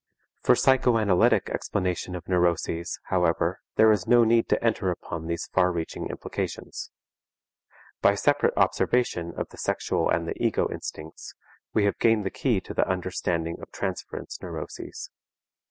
For psychoanalytic explanation of neuroses, however, there is no need to enter upon these far reaching implications. By separate observation of the sexual and the ego instincts, we have gained the key to the understanding of transference neuroses.